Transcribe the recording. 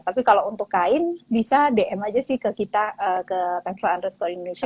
tapi kalau untuk kain bisa dm aja sih ke kita ke tensel underscore indonesia